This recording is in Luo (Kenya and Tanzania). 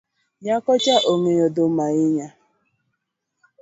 Nyako cha ongeyo dhum ahinya